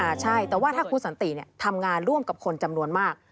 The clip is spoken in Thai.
ใช่แต่ว่าถ้าคุณสันติเนี่ยทำงานร่วมกับคนจำนวนมาก